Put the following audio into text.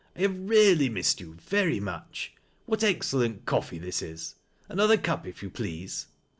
" I have really missed yoi very much. What excellent coffee this is !— another cup if you please."